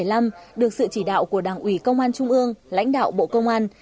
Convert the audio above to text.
năm hai nghìn một mươi năm được sự chỉ đạo của đảng ủy công an trung ương lãnh đạo bộ công an